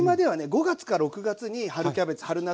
５月か６月に春キャベツ春夏